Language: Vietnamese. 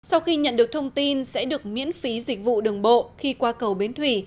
sau khi nhận được thông tin sẽ được miễn phí dịch vụ đường bộ khi qua cầu bến thủy